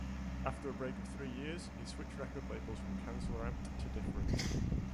After a break of three years, he switched record labels from Kanzleramt to Different.